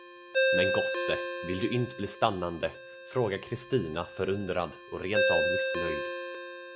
Men gosse, vill du int bli stannande, frågade Kristina förundrad och rent av missnöjd.